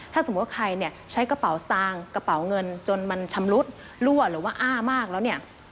ถ้าสมมุติว่าใครเนี่ยใช้กระเป๋าสตางค์กระเป๋าเงินจนมันชำรุดรั่วหรือว่าอ้ามากแล้วเนี่ย